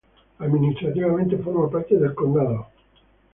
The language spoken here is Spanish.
Administrativamente forma parte del condado de St.